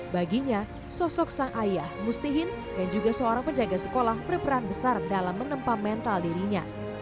baginya sosok sang ayah mustihin dan juga seorang penjaga sekolah berperan besar dalam menempa mental dirinya